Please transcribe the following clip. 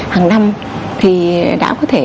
hàng năm thì đã có thể